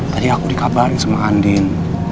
tadi aku dikabarin sama andin